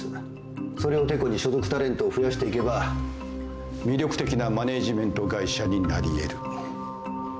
それをてこに所属タレントを増やしていけば魅力的なマネジメント会社になり得る。